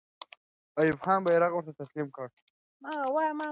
ایوب خان بیرغ ورته تسلیم کړ.